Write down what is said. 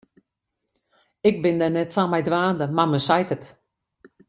Ik bin dêr net sa mei dwaande, mar men seit it.